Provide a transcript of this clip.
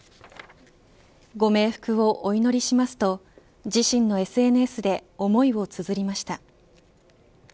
ご冥福をお祈りしますと自身のＳＮＳで思いをつづりました。